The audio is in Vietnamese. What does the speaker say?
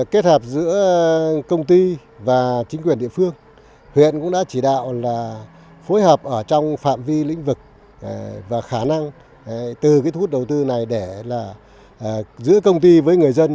kết hợp giữa công ty và chính quyền địa phương huyện cũng đã chỉ đạo là phối hợp ở trong phạm vi lĩnh vực và khả năng từ cái thuốc đầu tư này để là giữa công ty với người dân